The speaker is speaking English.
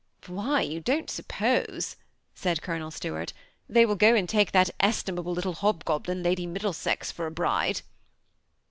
Why, you don't suppose," said Colonel Stuart, " they will go and take that estimable little hobgoblin, Lady Middlesex, for a bride?"